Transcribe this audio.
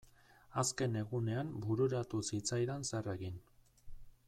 Azken egunean bururatu zitzaidan zer egin.